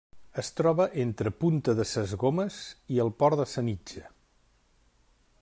Es troba entre Punta de ses Gomes i el Port de Sanitja.